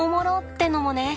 てのもね。